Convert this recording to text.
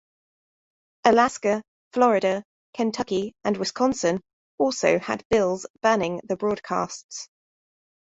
Alaska, Florida, Kentucky, and Wisconsin also had bills banning the broadcasts.